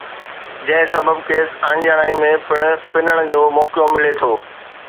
جنهن سبب کيس اڻڄاڻائيءَ ۾ به پنڻ جو موقعو ملي ٿو